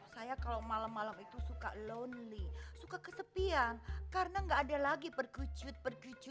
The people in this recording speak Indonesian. saya kalau malam malam itu suka lonely suka kesepian karena nggak ada lagi perkecut perkejut